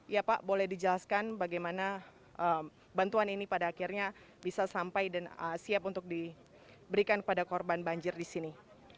ya pak boleh dijelaskan bagaimana bantuan ini pada akhirnya bisa sampai dan siap untuk diberikan pada korban banjir di sini